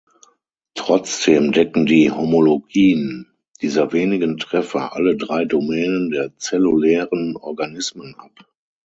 Trotzdem decken die Homologien dieser wenigen Treffer alle drei Domänen der zellulären Organismen ab.